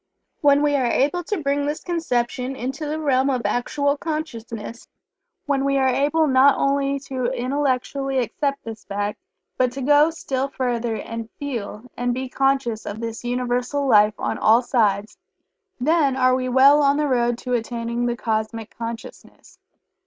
When we are able to bring this conception into the realm of actual consciousness when we are able not only to intellectually accept this fact, but to even go still further and feel and be conscious of this Universal Life on all sides, then are we well on the road to attaining the Cosmic Consciousness.